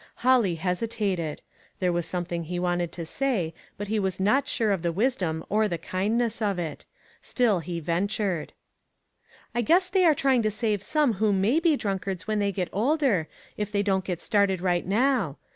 Holly hesitated ; there was something he wanted to say, but he was not sure of the wisdom or the kindness of it. Still he ventured. '* I guess they are trying to save some who may be drunkards when they get older, if they don't get started right now.